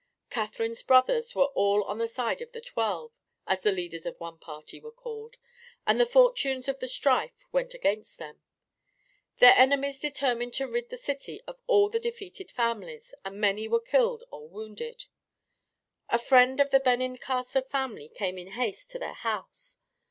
Catherine's brothers were all on the side of the Twelve, as the leaders of one party were called, and the fortunes of the strife went against them. Their enemies determined to rid the city of all the defeated families, and many were killed or wounded. A friend of the Benincasa family came in haste to their house.